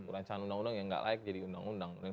rancangan undang undang yang nggak layak jadi undang undang